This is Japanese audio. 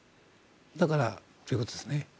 だからというわけですね。